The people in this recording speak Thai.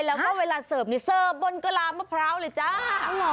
แล้วก็เวลาเสิร์ฟนี่เสิร์ฟบนกระลามะพร้าวเลยจ้า